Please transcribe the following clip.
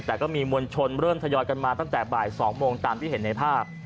แต่ก็มีมวลชนเริ่มทยอยกันมาตั้งแต่บ่าย๒โมงตามที่เห็นในภาพ